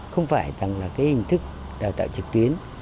không phải rằng là cái hình thức đào tạo trực tuyến